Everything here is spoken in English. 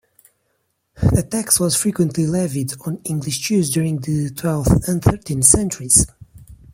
The tax was frequently levied on English Jews during the twelfth and thirteenth centuries.